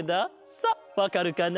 さあわかるかな？